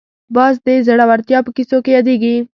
باز د زړورتیا په کیسو کې یادېږي